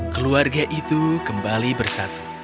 keluarga itu kembali bersatu